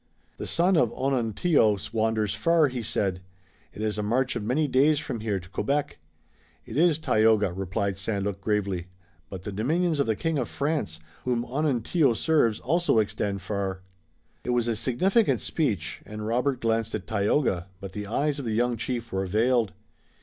"The son of Onontio wanders far," he said. "It is a march of many days from here to Quebec." "It is, Tayoga," replied St. Luc gravely, "but the dominions of the King of France, whom Onontio serves, also extend far." It was a significant speech, and Robert glanced at Tayoga, but the eyes of the young chief were veiled.